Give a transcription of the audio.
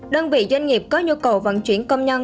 đơn vị doanh nghiệp có nhu cầu vận chuyển công nhân